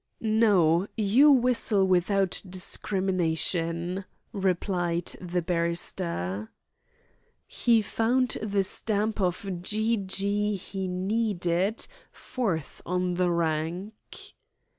"No. You whistle without discrimination," replied the barrister. He found the stamp of gee gee he needed fourth on the rank.